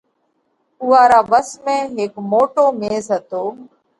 اُوئا را وس ۾ هيڪ موٽو ميز هتو